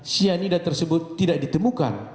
cyanida tersebut tidak ditemukan